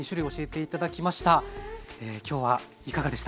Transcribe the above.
今日はいかがでしたか？